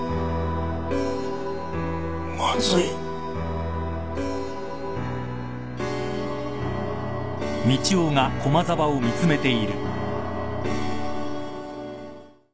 まずい。